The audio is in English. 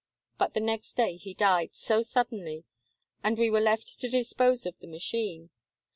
But the next day he died, so suddenly, and we were left to dispose of the machine.